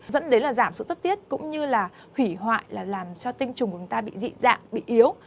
dẫn đến là giảm sự xuất tiết cũng như là hủy hoại là làm cho tinh trùng của chúng ta bị dị dạng bị yếu